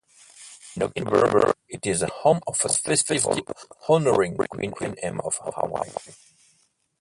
In October it is the home of a festival honoring Queen Emma of Hawaii.